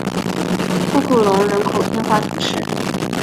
库库龙人口变化图示